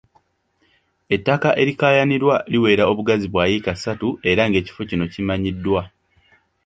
Ettaka erikaayanirwa liwera obugazi bwa yiika ssatu era ng’ekifo kino kimanyiddwa.